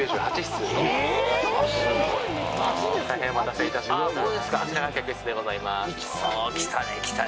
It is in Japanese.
大変お待たせいたしました。